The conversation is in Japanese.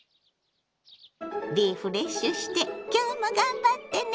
リフレッシュして今日も頑張ってね！